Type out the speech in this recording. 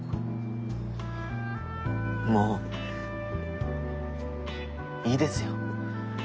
もういいですよ。